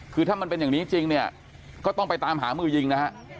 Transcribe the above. คือถ้ามันเป็นอย่างนี้จริงเนี่ยก็ต้องไปตามหามือยิงนะฮะ